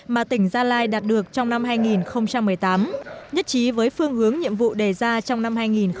mà tỉnh gia lai đạt được trong năm hai nghìn một mươi tám nhất trí với phương hướng nhiệm vụ đề ra trong năm hai nghìn một mươi chín